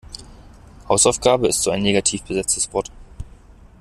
Hausaufgabe ist so ein negativ besetztes Wort.